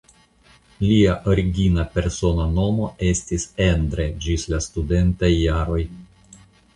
Lia origina persona nomo estis "Endre" ĝis la studentaj jaroj.